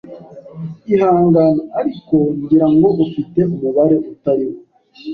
Ihangane, ariko ngira ngo ufite umubare utari wo. (